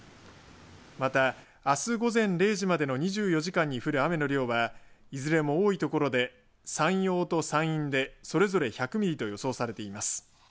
また、あす午前０時までの２４時間に降る雨の量はいずれも多い所で山陽と山陰でそれぞれ１００ミリと予想されています。